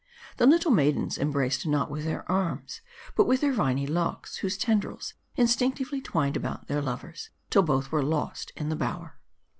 The little maidens em braced not with their arms, but with their viny locks ; whose tendrils instinctively twined about their lovers, till both were lost in the bower."